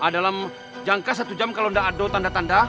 dalam jangka satu jam kalau tidak ada tanda tanda